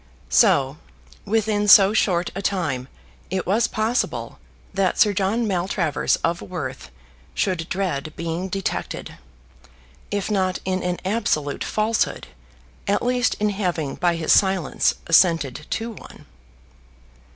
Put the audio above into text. So within so short a time it was possible that Sir John Maltravers of Worth should dread being detected, if not in an absolute falsehood, at least in having by his silence assented to one.